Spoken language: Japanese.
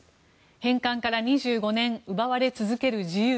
返還から２５年奪われ続ける自由。